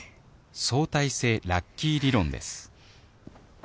相対性ラッキー理論です